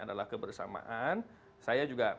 adalah kebersamaan saya juga